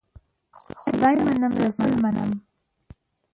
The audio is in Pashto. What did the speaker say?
خدای منم ، رسول منم .